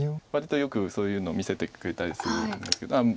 割とよくそういうのを見せてくれたりするんですけど。